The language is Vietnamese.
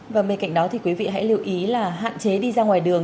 và bên cạnh đó thì quý vị hãy lưu ý là hạn chế đi ra ngoài đường